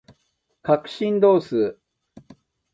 角振動数